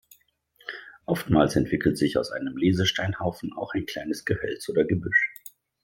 Oftmals entwickelt sich aus einem Lesesteinhaufen auch ein kleines Gehölz oder Gebüsch.